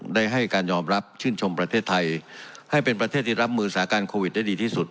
ได้ให้การยอมรับชื่นชมประเทศไทยให้เป็นประเทศที่รับมือสถานการณ์โควิดได้ดีที่สุด